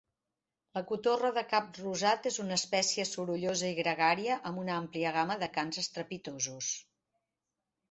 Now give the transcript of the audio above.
La cotorra de cap rosat és una espècie sorollosa i gregària amb una àmplia gama de cants estrepitosos.